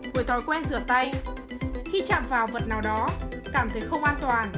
về thói quen rửa tay khi chạm vào vật nào đó cảm thấy không an toàn